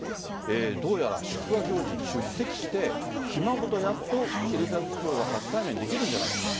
どうやら祝賀行事に出席して、ひ孫とやっとエリザベス女王は初対面できるんじゃないか。